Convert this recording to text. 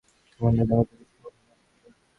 তোমার দাদার কথা কিছু বললেন কি?